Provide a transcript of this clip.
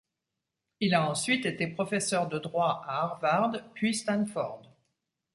Il a ensuite été professeur de droit à Harvard puis Stanford.